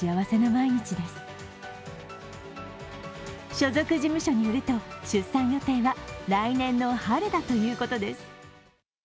所属事務所によると、出産予定は来年の春だということです。